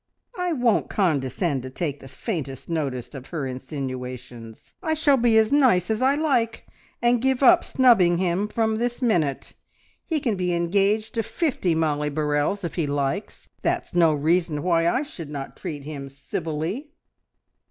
I won't condescend to take the faintest notice of her insinuations. I shall be as nice as I like, and give up snubbing him from this minute. He can be engaged to fifty Mollie Burrells if he likes; that's no reason why I should not treat him civilly!"